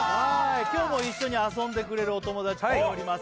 今日も一緒に遊んでくれるお友達来ております